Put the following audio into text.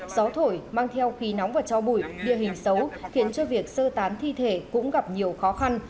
gió thổi mang theo khí nóng và cho bụi địa hình xấu khiến cho việc sơ tán thi thể cũng gặp nhiều khó khăn